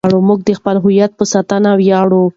موږ د خپل هویت په ساتلو ویاړو.